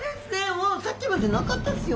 もうさっきまでなかったですよ。